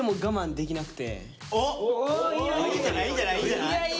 いいんじゃないいいんじゃない？